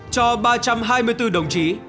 cho ba trăm hai mươi bốn đồng chí